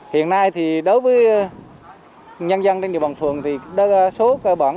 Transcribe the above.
hiện nay thì đối với nhân dân trên địa bàn phường thì đối với số cơ bản